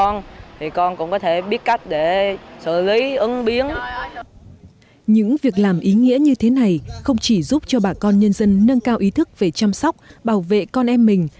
những việc làm ý nghĩa như thế này không chỉ giúp cho bà con nhân dân nâng cao ý thức về chăm sóc bảo vệ con em mình